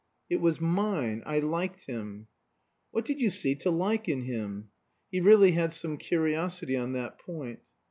"It was mine. I liked him." "What did you see to like in him?" (He really had some curiosity on that point.)